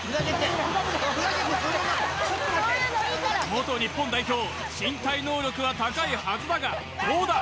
元日本代表身体能力は高いはずだがどうだ？